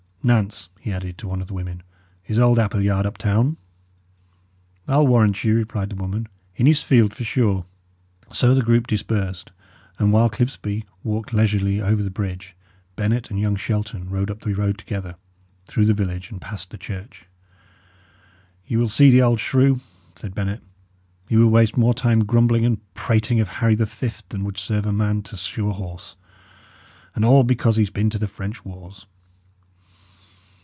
Nance," he added, to one of the women, "is old Appleyard up town?" "I'll warrant you," replied the woman. "In his field, for sure." So the group dispersed, and while Clipsby walked leisurely over the bridge, Bennet and young Shelton rode up the road together, through the village and past the church. "Ye will see the old shrew," said Bennet. "He will waste more time grumbling and prating of Harry the Fift than would serve a man to shoe a horse. And all because he has been to the French wars!"